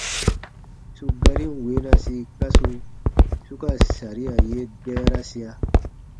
Su garin weenasi kasu su ka saria ye dɛɛrasia :